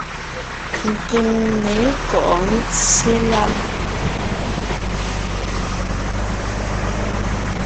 Keŋne kɔ̌ɔn ńtyê láŋ.